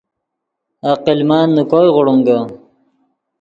عقل مند نے کوئے غوڑینگے